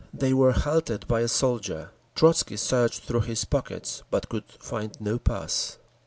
They were halted by a soldier. Trotzky searched through his pockets, but could find no pass.